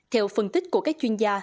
theo phân tích của các chuyên gia